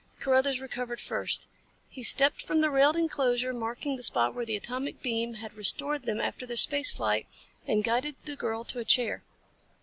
Carruthers recovered first. He stepped from the railed inclosure marking the spot where the atomic beam had restored them after their space flight, and guided the girl to a chair.